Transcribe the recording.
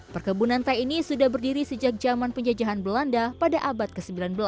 perkebunan teh ini sudah berdiri sejak zaman penjajahan belanda pada abad ke sembilan belas